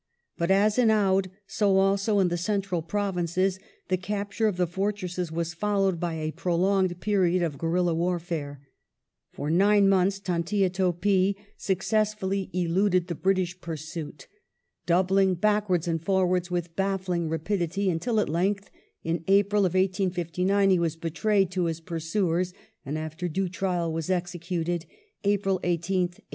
But as in Oudh so also in the Central Provinces the capture of the fortresses was followed by a prolonged period of guerilla warfare. For nine months Tantia Topi successfully eluded the British pur 1858] END OF JOHN COMPANY 293 suit, doubling backwards and forwards with baffling rapidity, until at length in April, 1859, he was betrayed to his pursuers, and after due trial was executed (April 18th, 1859).